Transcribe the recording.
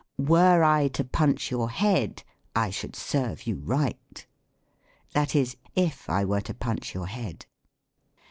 " Were I to punch your head, I should serve you right:" that is, "//* I wei:e to punch your head."